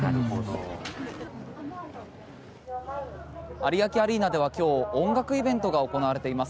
有明アリーナでは今日音楽イベントが行われています。